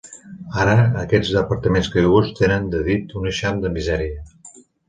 Ara, aquests apartaments caiguts tenen, de nit, un eixam de misèria.